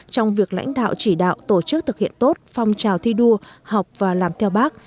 trong việc lãnh đạo chỉ đạo tổ chức thực hiện tốt phong trào thi đua học và làm theo bác